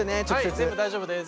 はい全部大丈夫です。